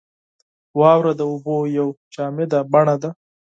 • واوره د اوبو یوه جامده بڼه ده.